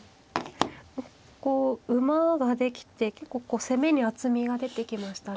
馬ができて結構こう攻めに厚みが出てきましたね。